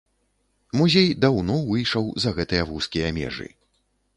Музей даўно выйшаў за гэтыя вузкія межы.